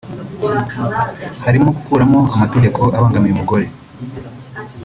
harimo gukuraho amategeko abangamiye umugore